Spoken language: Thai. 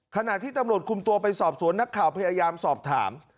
ขณะที่ตำรวจคุมตัวไปสอบสวนนักข่าวพยายามสอบถาม